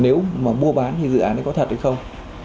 nếu mà mua bán thì dự án nó có thật hay không